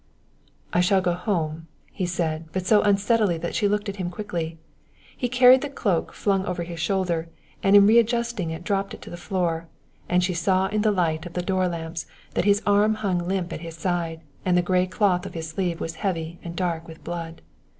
"I shall go home," he said, but so unsteadily that she looked at him quickly. He carried the cloak flung over his shoulder and in readjusting it dropped it to the floor, and she saw in the light of the door lamps that his arm hung limp at his side and the gray cloth of his sleeve was heavy and dark with blood.